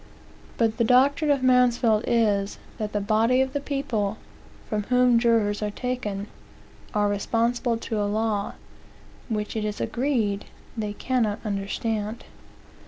But the doctrine of Mansfield is, that the body of the people, from whom jurors are taken, are responsible to a law, which it is agreed they cannot understand.